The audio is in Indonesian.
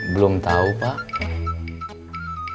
belum tahu pak